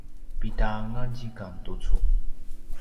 pida anga zikang tucu?